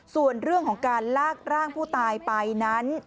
ส่วนเรื่องของการลากร่างผู้ตายไปนั้น